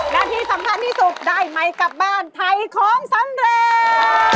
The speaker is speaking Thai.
และที่สำคัญที่สุดได้ไมค์กลับบ้านไทยของสำเร็จ